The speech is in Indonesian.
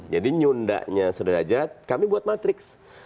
jadi nyunda nya sudrajat kami buat matrix